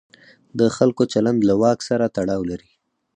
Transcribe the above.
د خلکو چلند له واک سره تړاو لري.